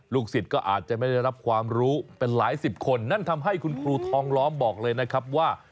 สิทธิ์ก็อาจจะไม่ได้รับความรู้เป็นหลายสิบคนนั่นทำให้คุณครูทองล้อมบอกเลยนะครับว่า